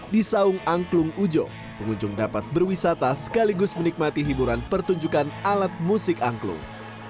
di saung angklung ujo pengunjung dapat berwisata sekaligus menikmati hiburan pertunjukan alat musik angklung